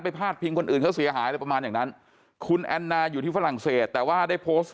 พาดพิงคนอื่นเขาเสียหายอะไรประมาณอย่างนั้นคุณแอนนาอยู่ที่ฝรั่งเศสแต่ว่าได้โพสต์